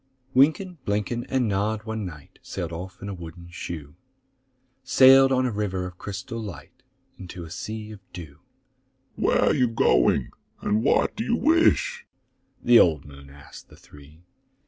Wynken, Blynken, and Nod one night Sailed off in a wooden shoe,— Sailed on a river of crystal light Into a sea of dew. "Where are you going, and what do you wish?" The old moon asked the three.